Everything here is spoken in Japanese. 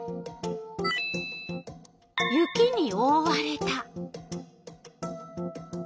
雪におおわれた。